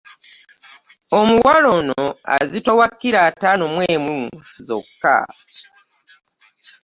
Omuwala ono azitowa kkiro ataano mu emu zokka.